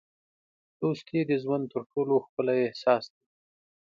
دوستي د ژوند تر ټولو ښکلی احساس دی.